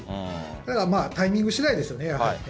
だからタイミングしだいですよね、やはりね。